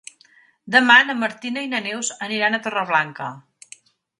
Demà na Martina i na Neus aniran a Torreblanca.